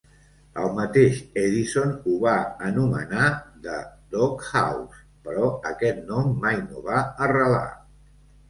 El mateix Edison ho va anomenar "The Doghouse", però aquest nom mai no va arrelar.